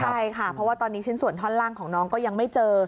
ใช่ค่ะเพราะว่าตอนนี้ชิ้นส่วนท่อนล่างของน้องก็ยังไม่เจอ